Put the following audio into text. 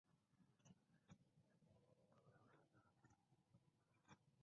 She directs the Health Experience and Applications Lab at Georgia Tech.